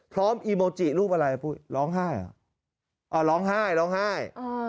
พร้อมอีโมจิรูปอะไรล้องไห้อ่อล้องไห้ล้องไห้